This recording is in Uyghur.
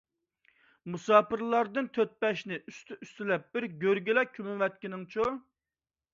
مۇساپىرلارنىڭ تۆت - بەشىنى ئۈستى - ئۈستىلەپ بىر گۆرگىلا كۆمۈۋەتكىنىڭچۇ؟...